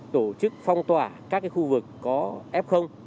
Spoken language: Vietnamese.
tổ chức phong tỏa các khu vực có f